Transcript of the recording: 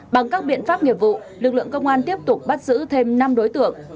bằng các biện pháp nghiệp vụ lực lượng công an tiếp tục bắt giữ thêm năm đối tượng